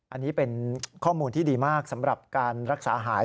อันนี้เป็นข้อมูลที่ดีมากสำหรับการรักษาหาย